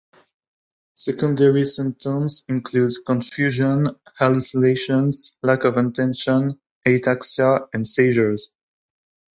Secondary symptoms include confusion, hallucinations, lack of attention, ataxia, and seizures.